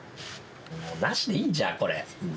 もうなしでいいんじゃんこれ。